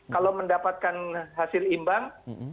kalau mendapatkan hasil imbang